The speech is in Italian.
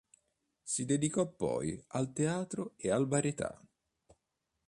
Si dedicò poi al teatro e al varietà.